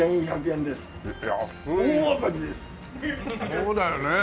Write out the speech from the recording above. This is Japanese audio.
そうだよね。